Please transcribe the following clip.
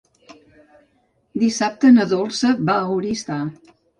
Dissabte na Dolça va a Oristà.